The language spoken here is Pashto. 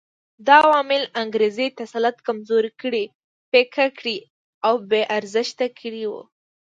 دا عوامل انګریزي تسلط کمزوري کړي، پیکه کړي او بې ارزښته کړي وو.